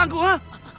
ampun jaga supa